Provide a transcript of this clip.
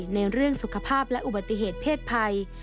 ในเรื่องสุขภาพและอุบัติเหตุเพศภัย